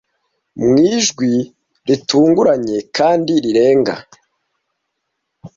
mu ijwi ritunguranye kandi rirenga